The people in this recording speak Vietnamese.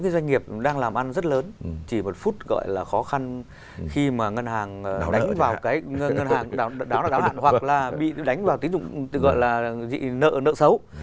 đó là đáo hạn hoặc là bị đánh vào tín dụng gọi là dị nợ nợ xấu